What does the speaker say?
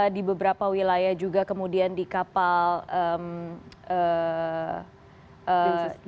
di beberapa wilayah juga kemudian di kapal diamond princess ya diamond princess kemarin